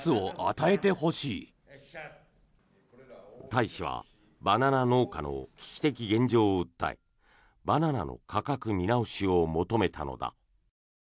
大使はバナナ農家の危機的現状を訴えバナナの価格見直しを求めたのだ。